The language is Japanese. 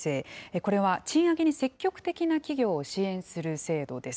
これは賃上げに積極的な企業を支援する制度です。